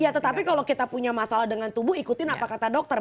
ya tetapi kalau kita punya masalah dengan tubuh ikutin apa kata dokter